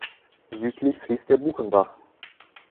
Südlich fließt der Buchenbach.